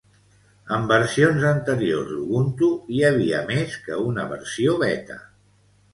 En versions anterior d'Ubuntu, hi havia més que una versió Beta.